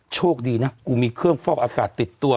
โชคดีนะกูมีเครื่องฟอกอากาศติดตัว